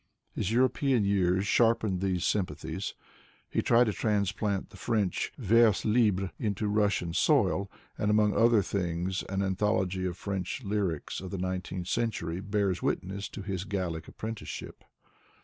His European years sharpened these sympathies. He tried to transplant the French vers libre into Russian soil, and among other things, an anthology of French lyrics of the nineteenth century bears witness to hia Gallic apprenticeship.